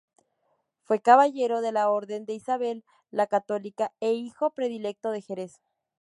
Fue caballero de la Orden de Isabel la Católica e hijo predilecto de Jerez